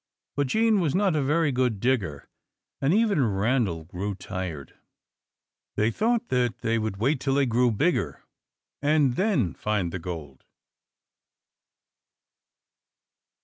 But Jean was not a very good digger, and even Randal grew tired. They thought they would wait till they grew bigger, and then find the gold.